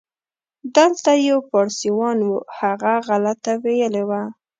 دلته یو پاړسیوان و، هغه غلطه ویلې وه.